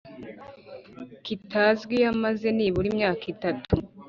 kitazwi iyo amaze n’ibura imyaka itatu